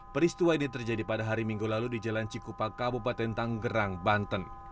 peristiwa ini terjadi pada hari minggu lalu di jalan cikupa kabupaten tanggerang banten